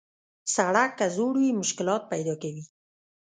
سړک که زوړ وي، مشکلات پیدا کوي.